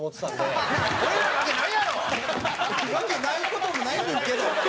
蛍原：わけない事もないねんけど。